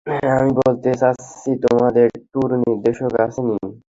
আমি বলতে চাচ্ছি তোমাদের ট্যুর নির্দেশক আসে নি।